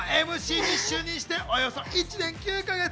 『スッキリ』のＭＣに就任しておよそ１年９か月。